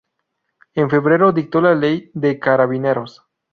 En febrero dictó la Ley de Carabineros.